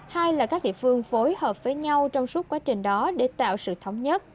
hai là các địa phương phối hợp với nhau trong suốt quá trình đó để tạo sự thống nhất